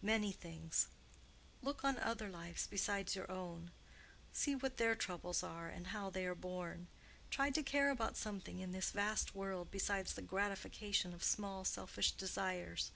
"Many things. Look on other lives besides your own. See what their troubles are, and how they are borne. Try to care about something in this vast world besides the gratification of small selfish desires.